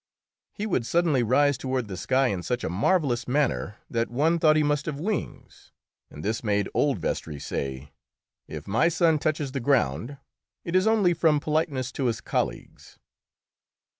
He would suddenly rise toward the sky in such a marvellous manner that one thought he must have wings, and this made old Vestris say, "If my son touches the ground it is only from politeness to his colleagues."